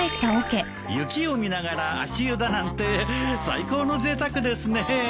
雪を見ながら足湯だなんて最高のぜいたくですね。